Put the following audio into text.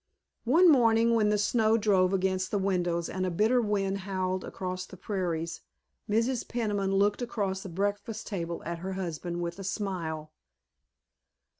One morning when the snow drove against the windows and a bitter wind howled across the prairies Mrs. Peniman looked across the breakfast table at her husband with a smile.